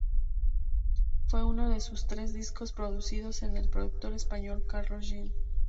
Fue uno de sus tres discos producidos con el productor español Carlos Jean.